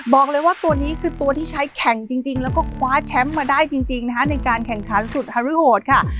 บอกเลยว่าตัวนี้คือตัวที่ใช้แข่งจริงแล้วก็คว้าแชมป์มาได้จริงนะคะในการแข่งขันสุดฮารุโหดค่ะ